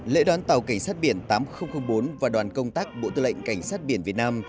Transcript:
lễ đón tàu cảnh sát biển tám nghìn bốn và đoàn công tác bộ tư lệnh cảnh sát biển việt nam